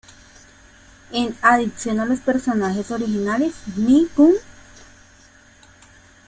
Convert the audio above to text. En adicción a los personajes originales "Nee Pon?